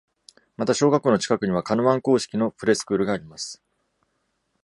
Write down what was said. また、小学校の近くにはカヌアン公式のプレスクールがあります。